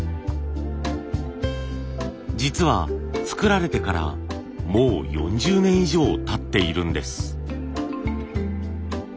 実は作られてからもう４０年以上たっているんです。